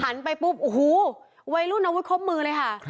ไปปุ๊บโอ้โหวัยรุ่นอาวุธครบมือเลยค่ะ